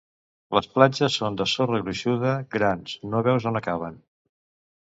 Les platges són de sorra gruixuda, grans, no veus on acaben.